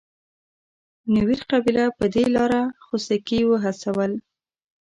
نوير قبیله په دې لار خوسکي وهڅول.